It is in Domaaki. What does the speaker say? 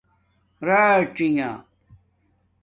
راڅنݣ